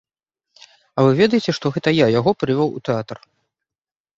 А вы ведаеце, што гэта я яго прывёў у тэатр?